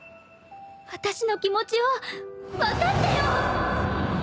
私の気持ちを分かってよ！